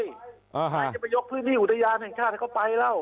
ใครจะไปยกพื้นที่อุทยานแห่งชาติให้เขาไปแล้ว